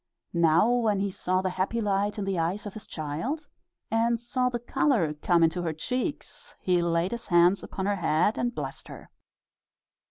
Now, when he saw the happy light in the eyes of his child, and saw the color come into her cheeks, he laid his hands upon her head and blessed her.